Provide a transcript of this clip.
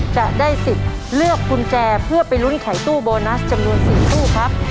จะได้สิทธิ์เลือกกุญแจเพื่อไปลุ้นไขตู้โบนัสจำนวน๔ตู้ครับ